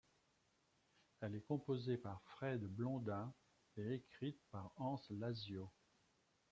Elle est composée par Fred Blondin et écrite par Anse Lazio.